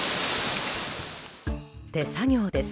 手作業です。